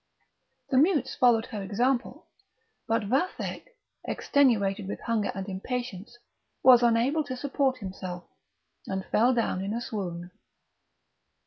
The mutes followed her example; but Vathek, extenuated with hunger and impatience, was unable to support himself, and fell down in a swoon.